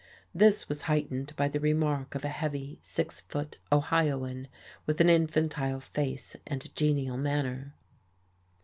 This was heightened by the remark of a heavy, six foot Ohioan with an infantile face and a genial manner.